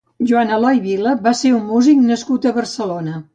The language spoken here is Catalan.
Joan Eloi Vila va ser un músic nascut a Barcelona.